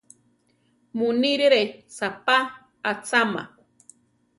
Munírere saʼpá achama.